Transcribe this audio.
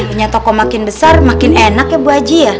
ini toko makin besar makin enak ya bu aji ya